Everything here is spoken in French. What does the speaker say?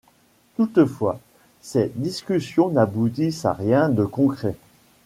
Toutefois, ces discussions n'aboutissent à rien de concret.